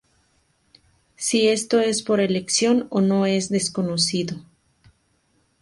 Si esto es por elección o no es desconocido.